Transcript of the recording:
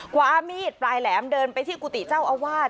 ความมีดปลายแหลมเดินไปที่กุฏิเจ้าอาวาส